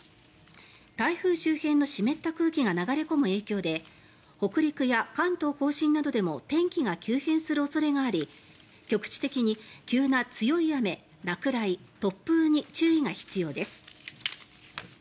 台風周辺の湿った空気が流れ込む影響で北陸や関東・甲信などでも天気が急変する恐れがあり局地的に急な強い雨、落雷、突風に注意が必要です。